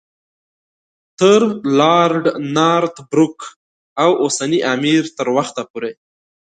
تر لارډ نارت بروک او اوسني امیر تر وخته پورې.